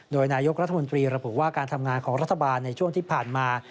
โดยนายกรัฐมนตรีระบุว่าการทำงานของรัฐบาลในช่วงที่ผ่านมา